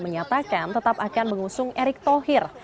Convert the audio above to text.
menyatakan tetap akan mengusung erick thohir